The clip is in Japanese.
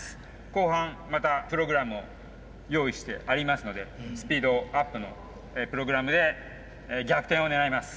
後半またプログラムを用意してありますのでスピードアップのプログラムで逆転を狙います。